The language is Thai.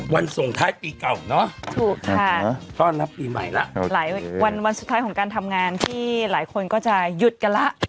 ส่งท้ายปีเก่าเนาะถูกค่ะต้อนรับปีใหม่แล้วหลายวันวันสุดท้ายของการทำงานที่หลายคนก็จะหยุดกันแล้ว